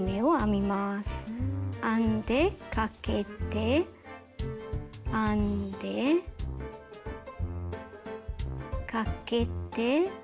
編んでかけて編んでかけて。